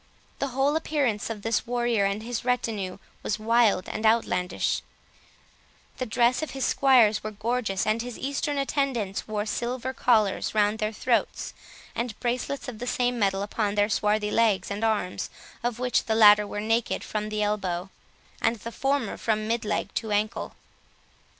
9 The whole appearance of this warrior and his retinue was wild and outlandish; the dress of his squires was gorgeous, and his Eastern attendants wore silver collars round their throats, and bracelets of the same metal upon their swarthy arms and legs, of which the former were naked from the elbow, and the latter from mid leg to ankle.